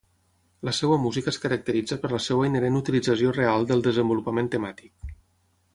La seva música es caracteritza per la seva inherent utilització real del desenvolupament temàtic.